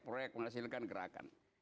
proyek menghasilkan gerakan